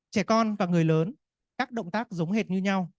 trẻ con và người lớn các động tác giống hệt như nhau